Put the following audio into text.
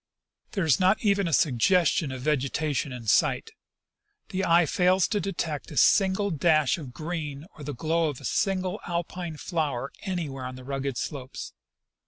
" There is not even a suggestion of vegetation in sight. The eye fails to detect a single dash of green or the glow of a single Alpine flower anywhere on the rugged slopes.